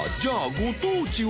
ご当地は？